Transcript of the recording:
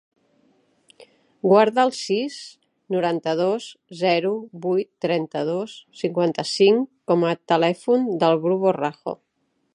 Guarda el sis, noranta-dos, zero, vuit, trenta-dos, cinquanta-cinc com a telèfon del Bru Borrajo.